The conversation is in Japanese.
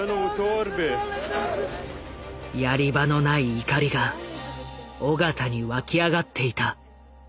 やり場のない怒りが緒方に湧き上がっていた。